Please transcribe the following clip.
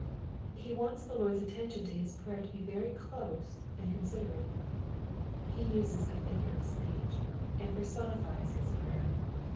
'* He wants the Lord's attention to his prayer to be very close and considerate. He uses a figure of speech and personifies his prayer.